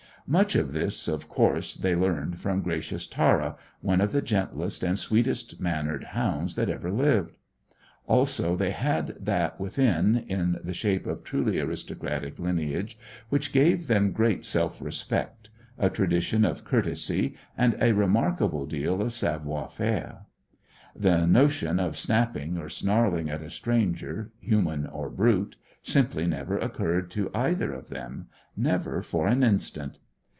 Much of this, of course, they learned from gracious Tara, one of the gentlest and sweetest mannered hounds that ever lived. Also, they had that within, in the shape of truly aristocratic lineage, which gave them great self respect, a tradition of courtesy, and a remarkable deal of savoir faire. The notion of snapping or snarling at a stranger, human or brute, simply never occurred to either of them; never for an instant.